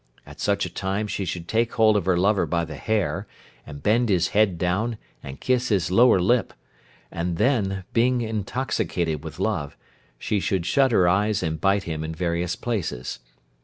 At such a time she should take hold of her lover by the hair, and bend his head down, and kiss his lower lip, and then, being intoxicated with love, she should shut her eyes and bite him in various places.